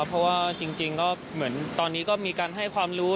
เพราะว่าจริงก็เหมือนตอนนี้ก็มีการให้ความรู้